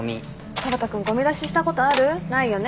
田畑君ごみ出ししたことある？ないよね。